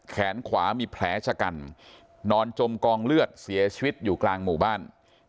แขนขวามีแผลชะกันนอนจมกองเลือดเสียชีวิตอยู่กลางหมู่บ้าน